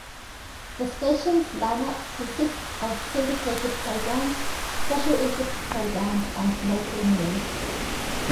The station's lineup consists of syndicated programs, special interest programs and local news.